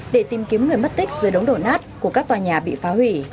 để tìm kiếm người mất tích dưới đống đổ nát của các tòa nhà bị phá hủy